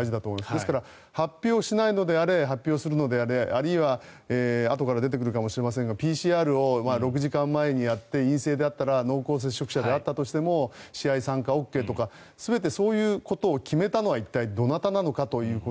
ですから、発表しないのであれ発表するのであれあるいはあとから出てくるかもしれませんがＰＣＲを６時間前にやって陰性であったら濃厚接触者であったとしても試合参加ＯＫとか全てそういうことを決めたのは一体、どなたなのかということ。